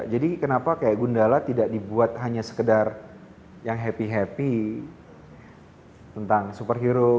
jadi kenapa gundala tidak dibuat hanya sekedar yang happy happy tentang superhero